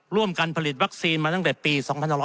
ร่วมกันผลิตวัคซีนมาตั้งแต่ปี๒๕๖๐